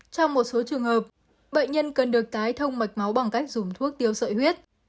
trong một số trường hợp bệnh nhân cần được tái thông mạch máu bằng cách dùng thuốc tiêu sợi huyết